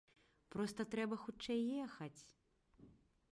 Проста трэба хутчэй ехаць!